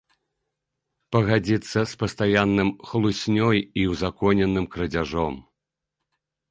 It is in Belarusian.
Пагадзіцца з пастаянным хлуснёй і ўзаконеным крадзяжом.